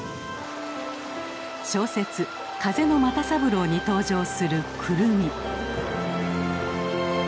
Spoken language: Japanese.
小説「風の又三郎」に登場するクルミ。